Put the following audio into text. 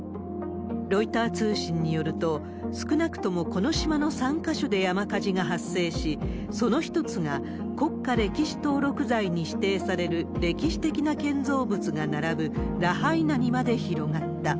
ロイター通信によると、少なくともこの島の３か所で山火事が発生し、その一つが、国家歴史登録財に指定される歴史的な建造物が並ぶラハイナにまで広がった。